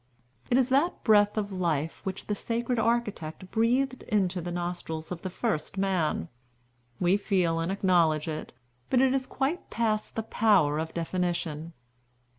It is that breath of life which the Sacred Architect breathed into the nostrils of the first man. We feel and acknowledge it, but it is quite past the power of definition.